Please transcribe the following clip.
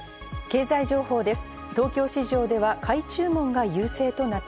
経済情報です。